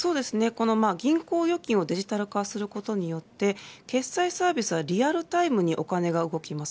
銀行預金をデジタル化することによって決済サービスはリアルタイムにお金が動きます。